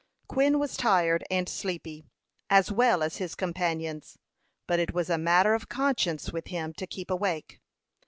Quin was tired and sleepy, as well as his companions; but it was a matter of conscience with him to keep awake.